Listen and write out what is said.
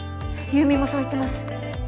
優美もそう言ってます。